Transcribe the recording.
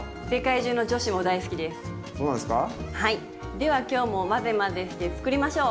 では今日も混ぜ混ぜして作りましょう。